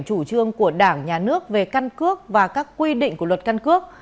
chủ trương của đảng nhà nước về căn cước và các quy định của luật căn cước